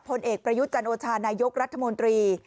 ผลเอกประยุทธ์จันโอชานายกรัฐมนตรี